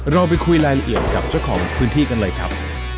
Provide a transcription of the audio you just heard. เราไปคุยรายละเอียดกับเจ้าของพื้นที่กันเลยครับ